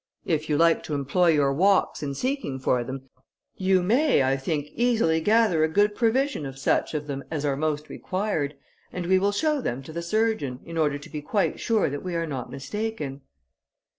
If you like to employ your walks in seeking for them, you may, I think, easily gather a good provision of such of them as are most required, and we will show them to the surgeon, in order to be quite sure that we are not mistaken."